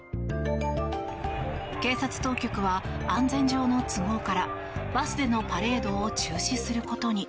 警察当局は安全上の都合からバスでのパレードを中止することに。